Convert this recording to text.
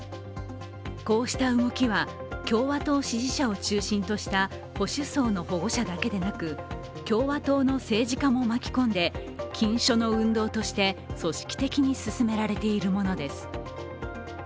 こうした動きは、共和党支持者を中心とした保守党の保護者だけでなく共和党の政治家も巻き込んで禁書の運動として組織的に進められているものです。